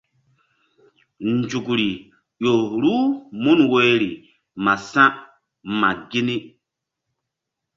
Nzukri ƴo ruh mun woyri ma sa̧ ma gini.